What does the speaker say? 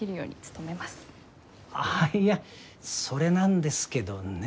ああいやそれなんですけどね。